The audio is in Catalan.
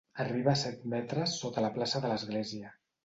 Arriba a set metres sota la plaça de l'Església.